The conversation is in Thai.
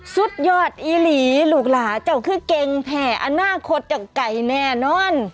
สุดยอดอีหลีลูกหลาเจ้าคือเก่งแห่อนาคตจากไก่แน่นอน